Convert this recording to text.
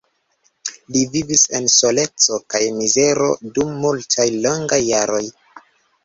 Li vivis en soleco kaj mizero dum multaj longaj jaroj.